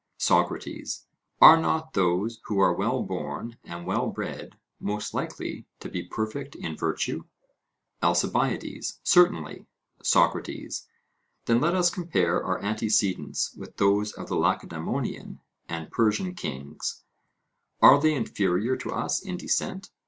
SOCRATES: Are not those who are well born and well bred most likely to be perfect in virtue? ALCIBIADES: Certainly. SOCRATES: Then let us compare our antecedents with those of the Lacedaemonian and Persian kings; are they inferior to us in descent?